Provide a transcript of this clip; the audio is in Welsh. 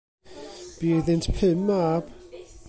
Bu iddynt pum mab.